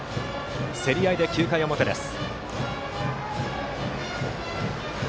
競り合いで９回表です。